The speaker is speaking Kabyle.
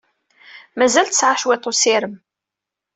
Mazal tesɛa cwiṭ n ussirem.